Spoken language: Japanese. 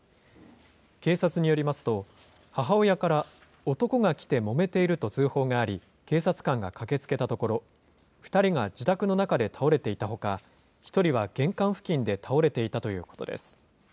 警察によりますと、母親から男が来てもめていると通報があり、警察官が駆けつけたところ、２人が自宅の中で倒れていたほか、１人は玄関付近で倒れていたということです。